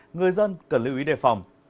người dân cần lưu ý đề phòng